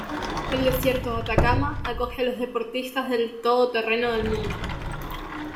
El desierto de Atacama acoge a los deportistas del todoterreno del mundo.